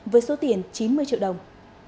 với số tiền chín mươi triệu đồng